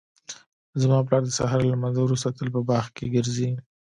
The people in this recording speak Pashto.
زما پلار د سهار له لمانځه وروسته تل په باغ کې ګرځي